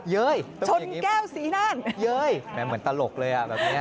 เย้ยต้องมีอย่างงี้แบบเหมือนตลกเลยแบบนี้